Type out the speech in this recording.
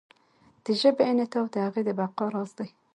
د ژبې انعطاف د هغې د بقا راز دی.